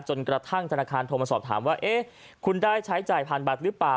จนกระทั่งธนาคารโทรมาสอบถามว่าเอ๊ะคุณได้ใช้จ่ายผ่านบัตรหรือเปล่า